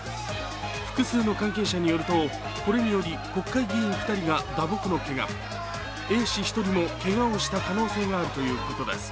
複数の関係者によるとこれにより国会議員２人が打撲のけが、衛視１人もけがをした可能性があるということです。